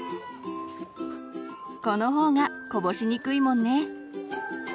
この方がこぼしにくいもんね。